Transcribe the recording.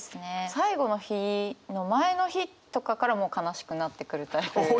最後の日の前の日とかからもう悲しくなってくるタイプで。